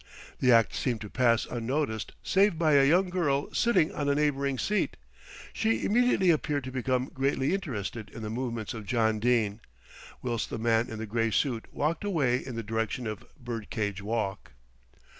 The act seemed to pass unnoticed save by a young girl sitting on a neighbouring seat. She immediately appeared to become greatly interested in the movements of John Dene, whilst the man in the grey suit walked away in the direction of Birdcage Walk.